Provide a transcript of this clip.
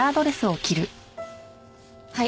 はい。